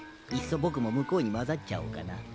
いっそ僕も向こうに交ざっちゃおうかな。